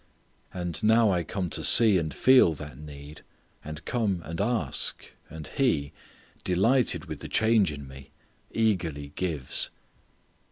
And now I come to see and feel that need and come and ask and He, delighted with the change in me, eagerly gives.